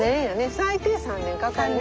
最低３年かかるね。